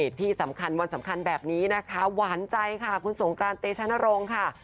ที่สำคัญวันสำคัญแบบนี้นะคะหวานใจค่ะคุณสงกรานเตชนรงค์ค่ะ